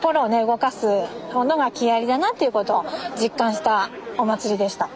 動かすものが木遣りだなっていうことは実感したお祭りでした。